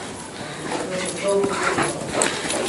A aceptación do xogo foi enorme.